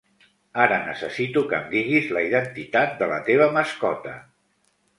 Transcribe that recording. Ara necessito que em diguis la identitat de la teva mascota.